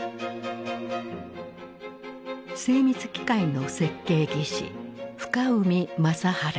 精密機械の設計技師深海正治である。